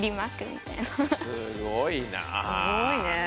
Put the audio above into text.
すごいなあ。